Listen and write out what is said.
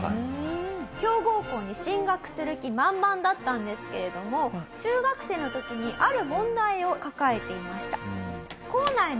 強豪校に進学する気満々だったんですけれども中学生の時にある問題を抱えていました。